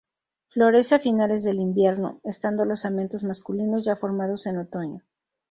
Florece a finales del invierno, estando los amentos masculinos ya formados en otoño.